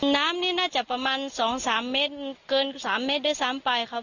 น้ำนี่น่าจะประมาณ๒๓เมตรเกิน๓เมตรด้วยซ้ำไปครับ